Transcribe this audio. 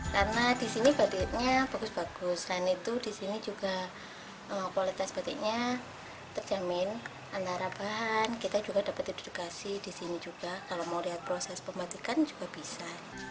karena disini batiknya bagus bagus selain itu disini juga kualitas batiknya terjamin antara bahan kita juga dapat didukasi disini juga kalau mau lihat proses pembatikan juga bisa